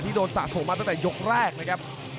โดนสะสมมาตั้งแต่ยกแรกนะครับ